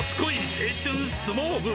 青春相撲部。